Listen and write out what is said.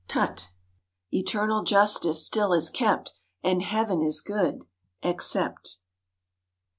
Tut! Eternal justice still is kept And Heaven is good except!